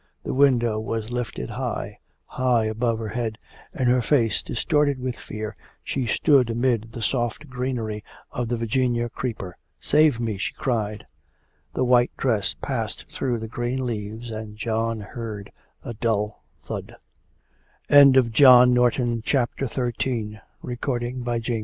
The window was lifted high high above her head, and her face distorted with fear, she stood amid the soft greenery of the Virginia creeper. 'Save me!' she cried. The white dress passed through the green leaves, and John heard a dull thud. XIV. Mr. Hare stood looking at his dead daughter; John Norton sat by the window.